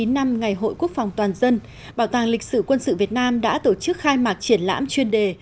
chín năm ngày hội quốc phòng toàn dân bảo tàng lịch sử quân sự việt nam đã tổ chức khai mạc triển lãm chuyên đề